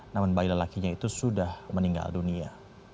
namun bayi lelakinya itu sudah meninggal dunia